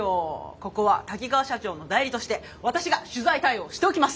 ここは滝川社長の代理として私が取材対応をしておきます。